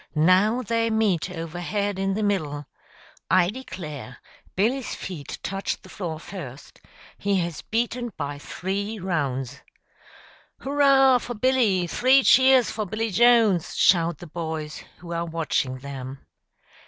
Now they meet overhead in the middle. I declare, Billy's feet touch the floor first: he has beaten by three rounds. "Hurrah for Billy! three cheers for Billy Jones!" shout the boys who are watching them.